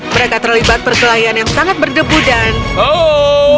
mereka terlibat perkelahian yang sangat berdemikian dan sangat bergantung pada naga itu